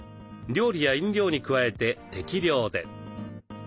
料理や飲料に加えて適量で。